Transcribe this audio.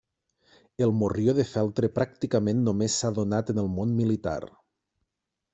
El morrió de feltre pràcticament només s'ha donat en el món militar.